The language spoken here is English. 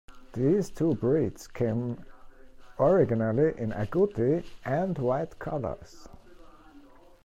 These two breeds came originally in Agouti and white colors.